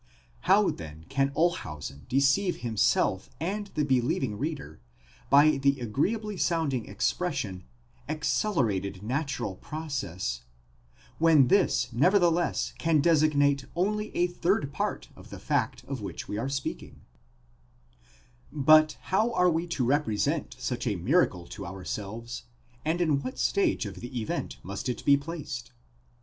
How then can Olshausen deceive himself and the believing reader, by the agreeably sounding expression, acceler ated natural process, when this nevertheless can designate only a third part of the fact of which we are speaking ἢ 4 But how are we to represent such a miracle to ourselves, and in what stage of the event must it be placed?